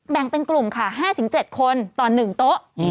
แบ่งเป็นกลุ่มค่ะ๕๗คนต่อ๑โต๊ะ